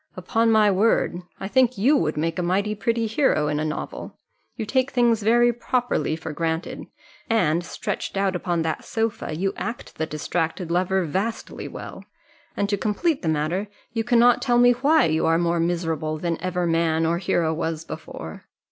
"Upon my word I think you would make a mighty pretty hero in a novel; you take things very properly for granted, and, stretched out upon that sofa, you act the distracted lover vastly well and to complete the matter, you cannot tell me why you are more miserable than ever man or hero was before.